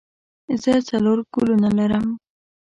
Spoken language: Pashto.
زه څلور ګلونه لرم.